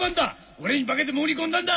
俺に化けて潜り込んだんだ！